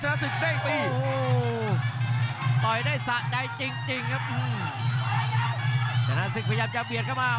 ศึกเด้งตีโอ้โหต่อยได้สะใจจริงจริงครับชนะศึกพยายามจะเบียดเข้ามา